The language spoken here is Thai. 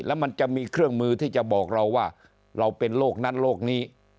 แล้วมันจะมีเครื่องมือที่จะบอกเราว่าเราเป็นโรคนั้นโรคนี้